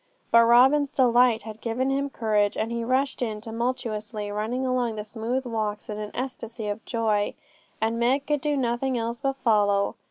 But Robin's delight had given him courage, and he rushed in tumultuously, running along the smooth walks in an ecstasy of joy; and Meg could do nothing else but follow.